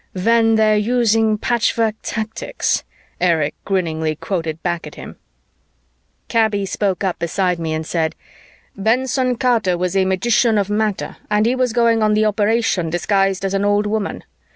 "When they're using patchwork tactics?" Erich grinningly quoted back at him. Kaby spoke up beside me and said, "Benson Carter was a magician of matter and he was going on the operation disguised as an old woman.